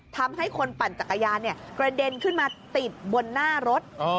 ทำให้คนปั่นจักรยานกระเด็นขึ้นมาติดบนหน้ารถ